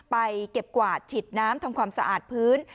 ไปเก็บกวาดฉีดน้ำทำความสะอาดพื้น